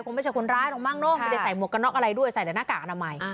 ไม่ใช่คนร้ายหรอกมั้งเนอะไม่ได้ใส่หมวกกระน็อกอะไรด้วยใส่แต่หน้ากากอนามัย